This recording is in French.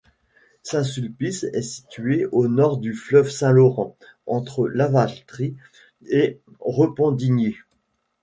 Saint-Sulpice est située au nord du fleuve Saint-Laurent, entre Lavaltrie et Repentigny.